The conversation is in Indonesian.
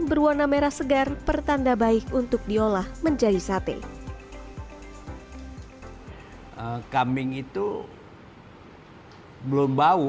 berwarna merah segar pertanda baik untuk diolah menjadi sate kambing itu belum bau